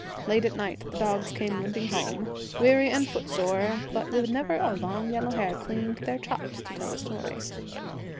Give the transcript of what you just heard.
Late at night the dogs came limping home, weary and footsore, but with never a long yellow hair clinging to their chops to tell a story.